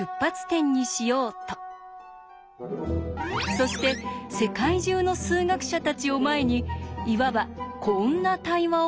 そして世界中の数学者たちを前にいわばこんな対話を進めていったんです。